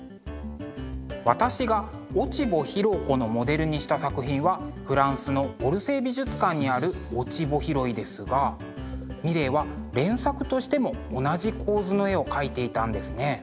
私が「落穂拾子」のモデルにした作品はフランスのオルセー美術館にある「落ち穂拾い」ですがミレーは連作としても同じ構図の絵を描いていたんですね。